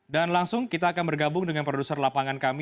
dan langsung kita akan bergabung dengan produser lapangan kami